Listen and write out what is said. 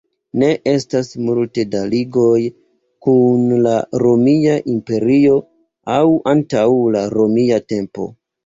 Ne estas multe da ligoj kun la Romia Imperio aŭ antaŭ la romia tempo.